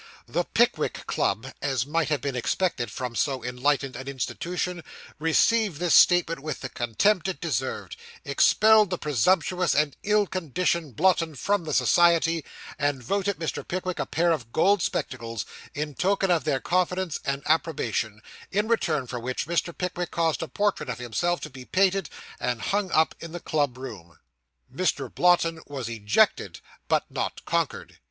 The Pickwick Club (as might have been expected from so enlightened an institution) received this statement with the contempt it deserved, expelled the presumptuous and ill conditioned Blotton from the society, and voted Mr. Pickwick a pair of gold spectacles, in token of their confidence and approbation: in return for which, Mr. Pickwick caused a portrait of himself to be painted, and hung up in the club room. Mr. Blotton was ejected but not conquered.